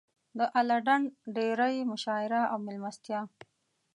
د اله ډنډ ډېرۍ مشاعره او مېلمستیا.